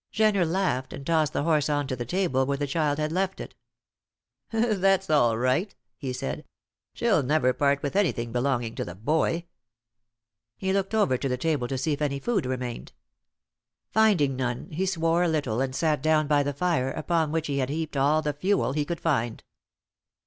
Jenner laughed, and tossed the horse on to the table where the child had left it. "That's all right," he said. "She'll never part with anything belonging to the boy." He looked over the table to see if any food remained. Finding none, he swore a little and sat down by the fire, upon which he had heaped all the fuel he could find.